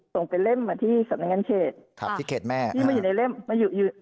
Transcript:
ส่งเป็นเล่มมาที่สำนักงานเขตครับที่เขตแม่ที่มาอยู่ในเล่มมาอยู่อยู่